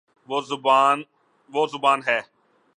وہ زبا ن ہے